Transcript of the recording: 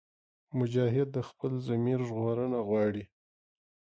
مجاهد د خپل ضمیر ژغورنه غواړي.